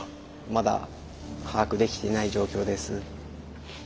まだ把握できていない状況です。